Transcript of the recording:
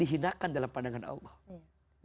karena ukuran kemuliaan dalam pandangan allah bukan itu